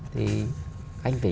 thì anh phải